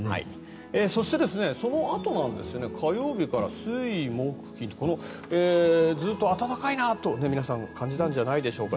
そして、そのあとなんですが火曜日から水木金とずっと暖かいなと、皆さん感じたんじゃないでしょうか。